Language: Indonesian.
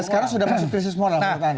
dan sekarang sudah masuk krisis moral